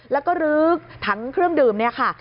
แล้วก็ลื้อถังเครื่องดื่มเนี่ยค่ะ